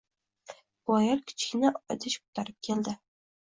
Bu ayol kichkina idish koʻtarib keldi